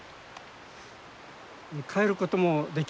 帰ることもできない。